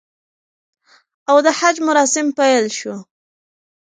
او د حج مراسم پیل شو